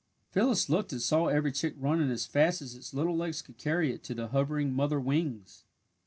Phyllis looked and saw every chick running as fast as its little legs could carry it to the hovering mother wings.